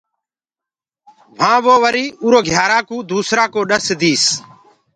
وهآنٚ وو وري اُرو گھيِآرآ ڪوُ دوسرآ ڪو ڏس ديس۔